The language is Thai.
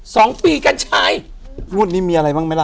สองปีกัญชัยรุ่นนี้มีอะไรบ้างไหมล่ะ